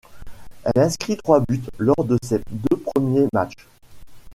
Elle inscrit trois buts lors de ses deux premiers matchs.